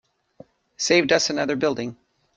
Saved us another building.